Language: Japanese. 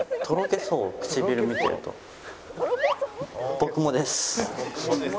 僕もです。